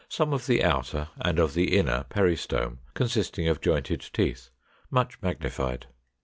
Some of the outer and of the inner peristome (consisting of jointed teeth) much magnified.